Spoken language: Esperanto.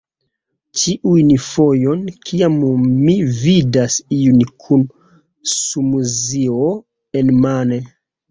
Ĉiun fojon kiam mi vidas iun kun smuzio enmane